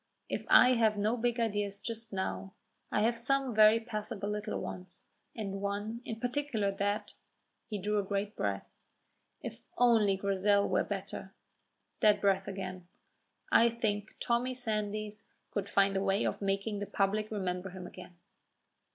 If I have no big ideas just now, I have some very passable little ones, and one in particular that " He drew a great breath. "If only Grizel were better," that breath said, "I think Tommy Sandys could find a way of making the public remember him again."